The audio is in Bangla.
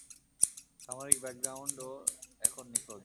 সামরিক ব্যাকগ্রাউন্ড ও এখন নিখোঁজ।